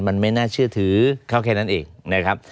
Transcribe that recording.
มันไม่น่าเชื่อถือเขาแค่นั้นเองนะครับ